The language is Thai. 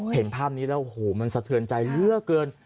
เห็นภาพนี้แล้วโอ้โหมันสะเทือนใจเหลือเกิน